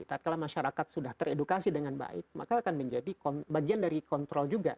tapi kalau masyarakat sudah teredukasi dengan baik maka akan menjadi bagian dari kontrol juga